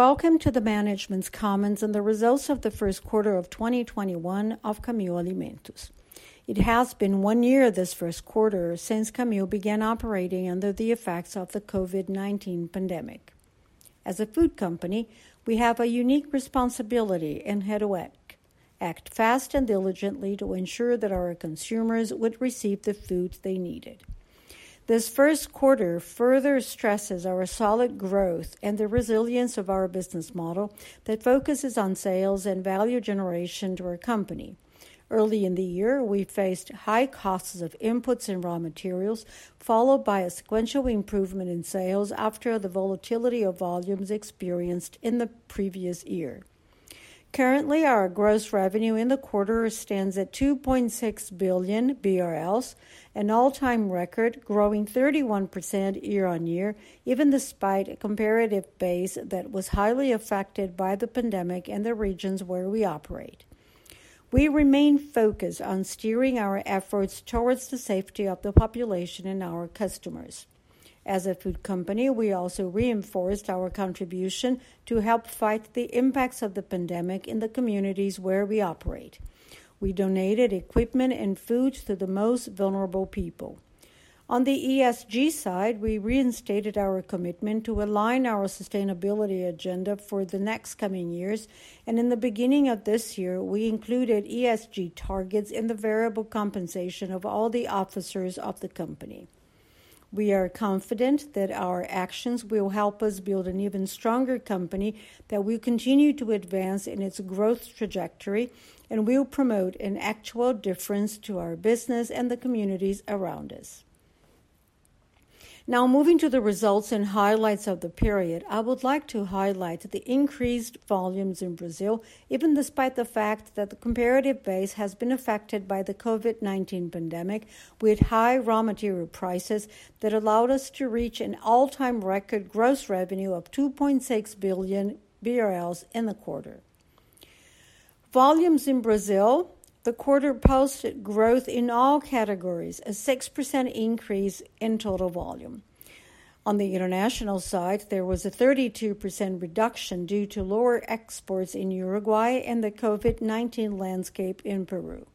Welcome to the Management's Comments and the results of the first quarter of 2021 of Camil Alimentos. It has been one year this first quarter since Camil began operating under the effects of the COVID-19 pandemic. As a food company, we have a unique responsibility and had to act fast and diligently to ensure that our consumers would receive the foods they needed. This first quarter further stresses our solid growth and the resilience of our business model that focuses on sales and value generation to our company. Early in the year, we faced high costs of inputs and raw materials, followed by a sequential improvement in sales after the volatility of volumes experienced in the previous year. Currently, our gross revenue in the quarter stands at 2.6 billion BRL, an all-time record growing 31% year-on-year, even despite a comparative base that was highly affected by the pandemic in the regions where we operate. We remain focused on steering our efforts towards the safety of the population and our customers. As a food company, we also reinforced our contribution to help fight the impacts of the pandemic in the communities where we operate. We donated equipment and food to the most vulnerable people. On the ESG side, we reinstated our commitment to align our sustainability agenda for the next coming years, and in the beginning of this year, we included ESG targets in the variable compensation of all the officers of the company. We are confident that our actions will help us build an even stronger company that will continue to advance in its growth trajectory and will promote an actual difference to our business and the communities around us. Moving to the results and highlights of the period, I would like to highlight the increased volumes in Brazil, even despite the fact that the comparative base has been affected by the COVID-19 pandemic with high raw material prices that allowed us to reach an all-time record gross revenue of 2.6 billion BRL in the quarter. Volumes in Brazil, the quarter posted growth in all categories, a 6% increase in total volume. On the international side, there was a 32% reduction due to lower exports in Uruguay and the COVID-19 landscape in Peru.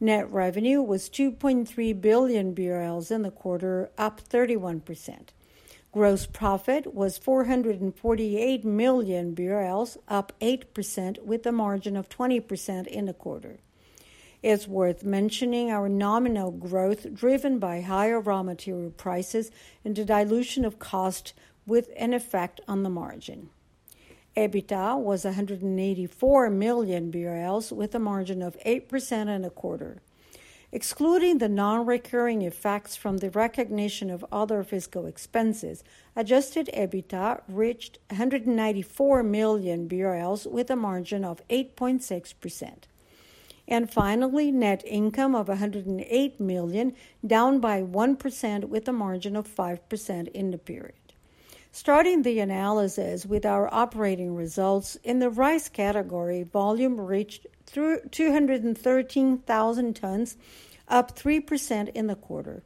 Net revenue was 2.3 billion BRL in the quarter, up 31%. Gross profit was 448 million BRL, up 8%, with a margin of 20% in the quarter. It's worth mentioning our nominal growth driven by higher raw material prices and a dilution of cost with an effect on the margin. EBITDA was 184 million BRL with a margin of 8% in the quarter. Excluding the non-recurring effects from the recognition of other fiscal expenses, adjusted EBITDA reached 194 million BRL with a margin of 8.6%. Finally, net income of 108 million, down by 1% with a margin of 5% in the period. Starting the analysis with our operating results. In the rice category, volume reached 213,000 tons, up 3% in the quarter.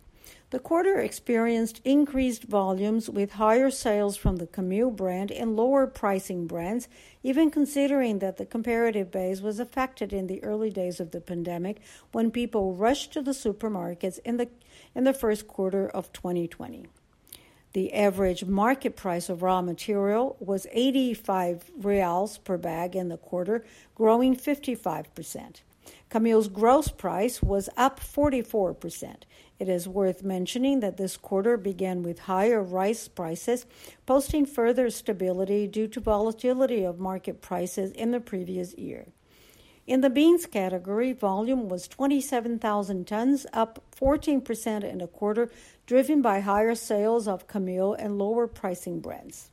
The quarter experienced increased volumes with higher sales from the Camil brand and lower pricing brands, even considering that the comparative base was affected in the early days of the pandemic when people rushed to the supermarkets in the first quarter of 2020. The average market price of raw material was BRL 85 per bag in the quarter, growing 55%. Camil's gross price was up 44%. It is worth mentioning that this quarter began with higher rice prices, posting further stability due to volatility of market prices in the previous year. In the beans category, volume was 27,000 tons, up 14% in the quarter, driven by higher sales of Camil and lower pricing brands.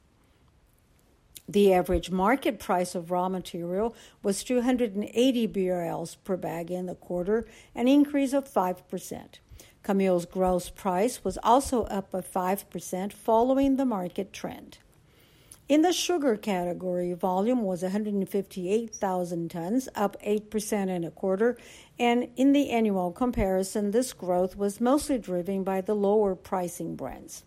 The average market price of raw material was 280 BRL per bag in the quarter, an increase of 5%. Camil's gross price was also up by 5%, following the market trend. In the sugar category, volume was 158,000 tons, up 8% in the quarter, and in the annual comparison, this growth was mostly driven by the lower pricing brands.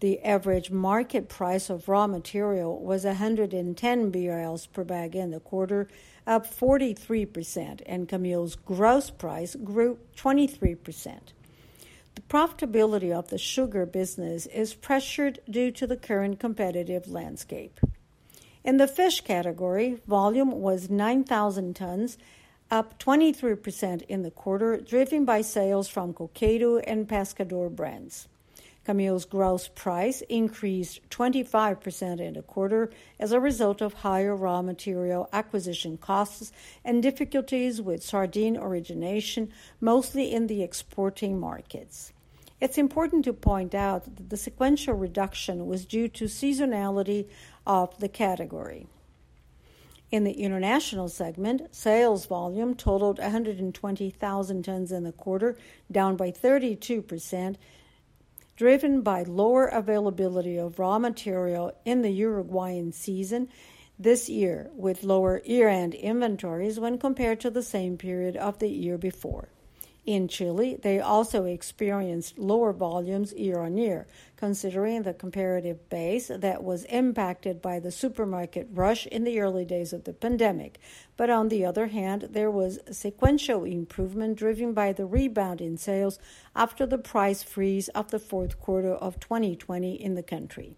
The average market price of raw material was 110 BRL per bag in the quarter, up 43%, and Camil's gross price grew 23%. The profitability of the sugar business is pressured due to the current competitive landscape. In the fish category, volume was 9,000 tons, up 23% in the quarter, driven by sales from Coqueiro and Pescador brands. Camil's gross price increased 25% in the quarter as a result of higher raw material acquisition costs and difficulties with sardine origination, mostly in the exporting markets. It's important to point out that the sequential reduction was due to seasonality of the category. In the international segment, sales volume totaled 120,000 tons in the quarter, down by 32%, driven by lower availability of raw material in the Uruguayan season this year, with lower year-end inventories when compared to the same period of the year before. In Chile, they also experienced lower volumes year-on-year, considering the comparative base that was impacted by the supermarket rush in the early days of the pandemic. On the other hand, there was a sequential improvement driven by the rebound in sales after the price freeze of the fourth quarter of 2020 in the country.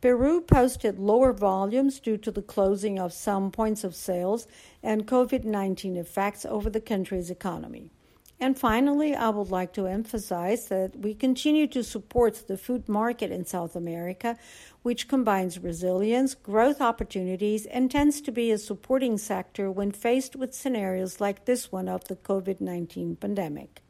Peru posted lower volumes due to the closing of some points of sales and COVID-19 effects over the country's economy. Finally, I would like to emphasize that we continue to support the food market in South America, which combines resilience, growth opportunities, and tends to be a supporting sector when faced with scenarios like this one of the COVID-19 pandemic.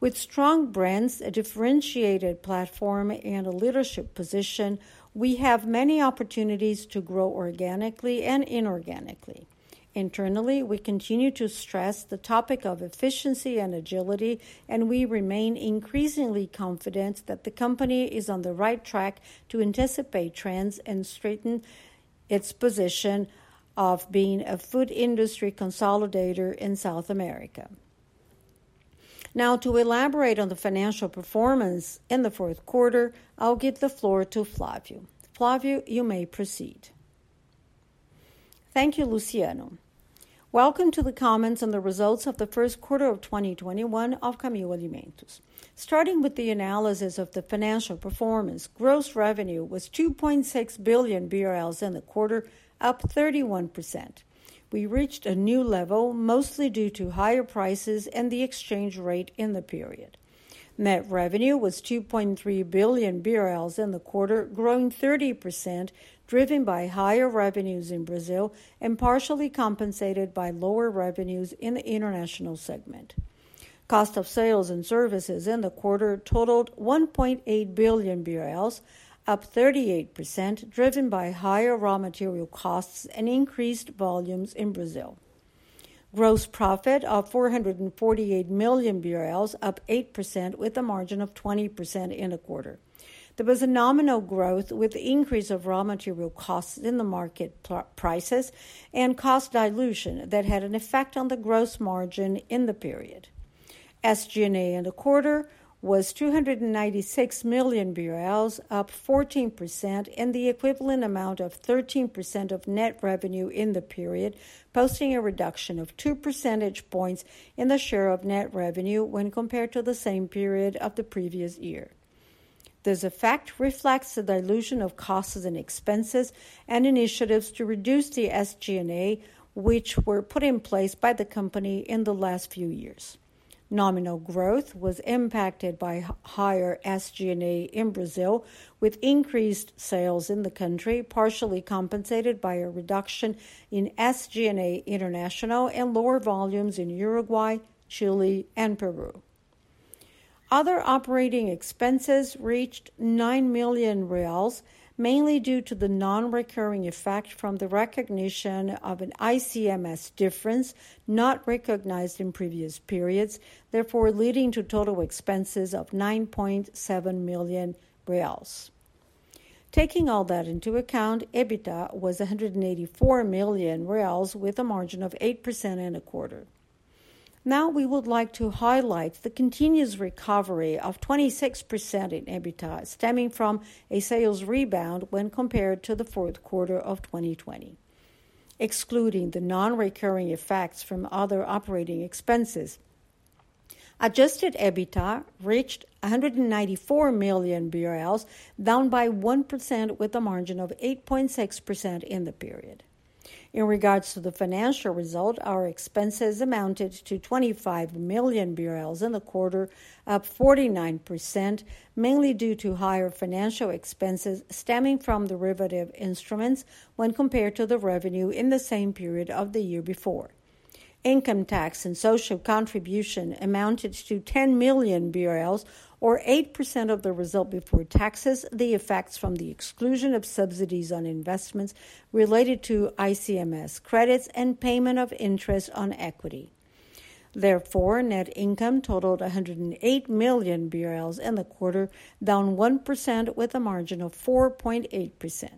With strong brands, a differentiated platform, and a leadership position, we have many opportunities to grow organically and inorganically. Internally, we continue to stress the topic of efficiency and agility, and we remain increasingly confident that the company is on the right track to anticipate trends and strengthen its position of being a food industry consolidator in South America. Now, to elaborate on the financial performance in the fourth quarter, I'll give the floor to Flavio. Flavio, you may proceed. Thank you, Luciano. Welcome to the comments on the results of the first quarter of 2021 of Camil Alimentos. Starting with the analysis of the financial performance, gross revenue was 2.6 billion BRL in the quarter, up 31%. We reached a new level mostly due to higher prices and the exchange rate in the period. Net revenue was 2.3 billion BRL in the quarter, growing 30%, driven by higher revenues in Brazil and partially compensated by lower revenues in the international segment. Cost of sales and services in the quarter totaled 1.8 billion BRL, up 38%, driven by higher raw material costs and increased volumes in Brazil. Gross profit of 448 million BRL, up 8% with a margin of 20% in the quarter. There was a nominal growth with increase of raw material costs in the market prices and cost dilution that had an effect on the gross margin in the period. SG&A in the quarter was 296 million BRL, up 14%, and the equivalent amount of 13% of net revenue in the period, posting a reduction of 2 percentage points in the share of net revenue when compared to the same period of the previous year. This effect reflects the dilution of costs and expenses and initiatives to reduce the SG&A, which were put in place by the company in the last few years. Nominal growth was impacted by higher SG&A in Brazil, with increased sales in the country, partially compensated by a reduction in SG&A international and lower volumes in Uruguay, Chile, and Peru. Other operating expenses reached 9 million reais, mainly due to the non-recurring effect from the recognition of an ICMS difference not recognized in previous periods, therefore leading to total expenses of 9.7 million reais. Taking all that into account, EBITDA was 184 million reais with a margin of 8% in the quarter. We would like to highlight the continuous recovery of 26% in EBITDA stemming from a sales rebound when compared to the fourth quarter of 2020. Excluding the non-recurring effects from other operating expenses, adjusted EBITDA reached 194 million BRL, down by 1% with a margin of 8.6% in the period. In regards to the financial result, our expenses amounted to 25 million in the quarter, up 49%, mainly due to higher financial expenses stemming from derivative instruments when compared to the revenue in the same period of the year before. Income tax and social contribution amounted to 10 million BRL or 8% of the result before taxes, the effects from the exclusion of subsidies on investments related to ICMS credits and payment of interest on equity. Net income totaled 108 million BRL in the quarter, down 1% with a margin of 4.8%.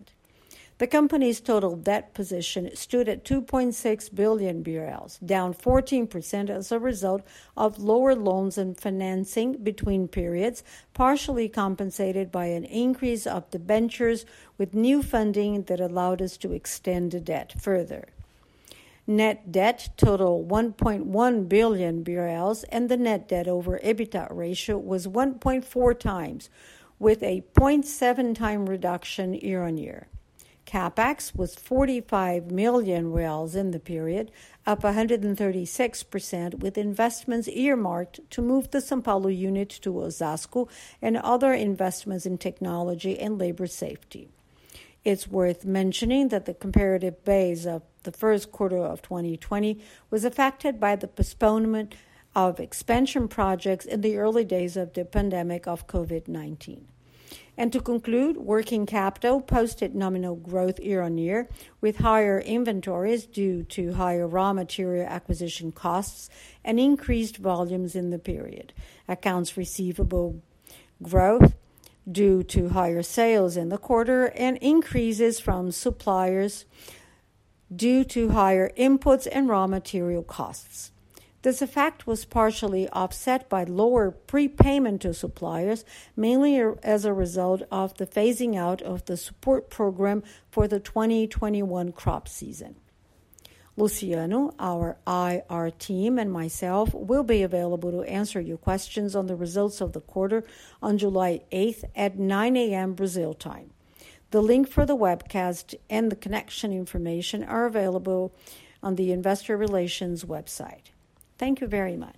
The company's total debt position stood at 2.6 billion BRL, down 14% as a result of lower loans and financing between periods, partially compensated by an increase of debentures with new funding that allowed us to extend the debt further. Net debt total 1.1 billion BRL and the net debt over EBITDA ratio was 1.4 times, with a 0.7x reduction year-on-year. CapEx was 45 million in the period, up 136%, with investments earmarked to move the São Paulo unit to Osasco and other investments in technology and labor safety. It's worth mentioning that the comparative base of the first quarter of 2020 was affected by the postponement of expansion projects in the early days of the pandemic of COVID-19. To conclude, working capital posted nominal growth year-on-year, with higher inventories due to higher raw material acquisition costs and increased volumes in the period. Accounts receivable growth due to higher sales in the quarter and increases from suppliers due to higher inputs and raw material costs. This effect was partially offset by lower prepayment to suppliers, mainly as a result of the phasing out of the support program for the 2021 crop season. Luciano, our IR team, and myself will be available to answer your questions on the results of the quarter on July 8th at 9:00 A.M. Brazil time. The link for the webcast and the connection information are available on the investor relations website. Thank you very much.